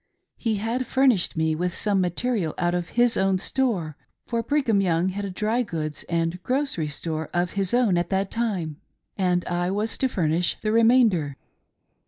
He had furnished me with some material out of his own store — for Brigham Young had a dry goods' and grocery store of his own at that time — and I was to furnish the remainder.